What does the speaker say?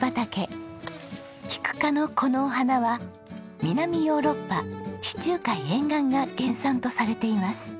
キク科のこのお花は南ヨーロッパ地中海沿岸が原産とされています。